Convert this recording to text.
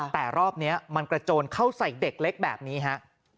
แต่รอบนี้มันกระโจนเข้าใส่เด็กเล็กแบบนี้ฮะ